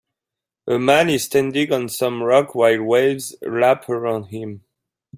A man is standing on some rocks while waves lap around him